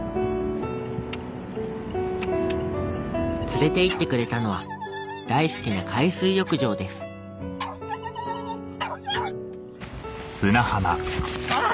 連れて行ってくれたのは大好きな海水浴場ですあぁ！